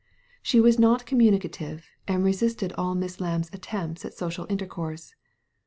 She was not communicative, and resisted all Miss Lamb's attempts at social mtcr course.